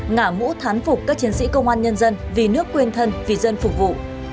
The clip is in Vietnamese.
ngả mũ thán phục các chiến sĩ công an nhân dân vì nước quyên thân vì dân phục vụ